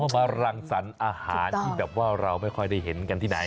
มารังสรรค์อาหารที่แบบว่าเราไม่ค่อยได้เห็นกันที่ไหน